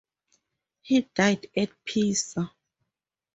He died at Pisa.